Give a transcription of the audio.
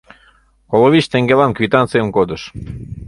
Коло вич теҥгелан квитанцийым кодыш.